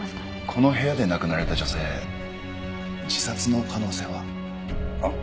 この部屋で亡くなられた女性自殺の可能性は？はっ？えっ？